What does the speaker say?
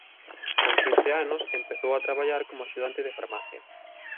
Con quince anos empezou a traballar como axudante de farmacia.